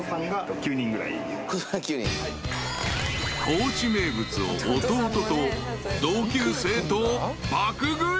［高知名物を弟と同級生と爆食い］